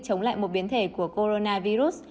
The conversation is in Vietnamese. chống lại một biến thể của coronavirus